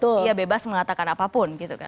polikarpus juga bebas mengatakan apapun